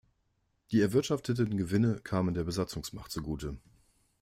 Die erwirtschafteten Gewinne kamen der Besatzungsmacht zugute.